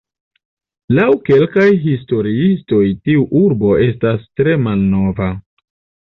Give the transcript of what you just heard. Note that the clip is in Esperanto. Laŭ kelkaj historiistoj tiu urbo estas tre malnova.